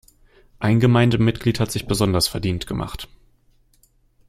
Ein Gemeindemitglied hat sich besonders verdient gemacht.